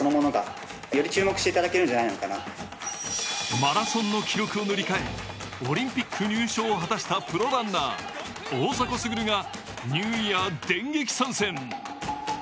マラソンの記録を塗り替えオリンピック入賞を果たしたプロランナー大迫傑がニューイヤー電撃参戦。